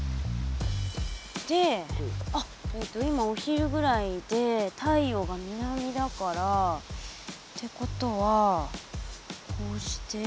であっ今お昼ぐらいで太陽が南だから。ってことはこうして。